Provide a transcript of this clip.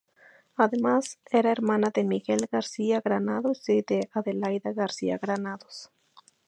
Además, era hermana de Miguel García Granados y de Adelaida García Granados.